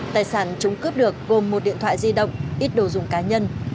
tài sản chúng cướp được gồm một điện thoại di động ít đồ dùng cá nhân